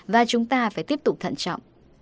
và chúng ta phải tiếp tục thận trọng